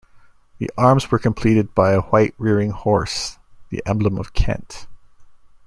The arms were completed by a white rearing horse, the emblem of Kent.